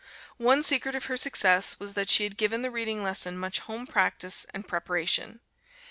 One secret of her success was that she had given the reading lesson much home practice and preparation.